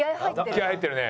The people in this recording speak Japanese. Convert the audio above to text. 気合入ってるね。